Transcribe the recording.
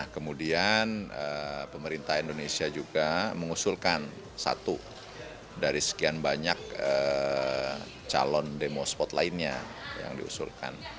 kemudian pemerintah indonesia juga mengusulkan satu dari sekian banyak calon demo spot lainnya yang diusulkan